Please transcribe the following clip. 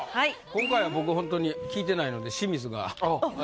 今回は僕ホントに聞いてないので清水が。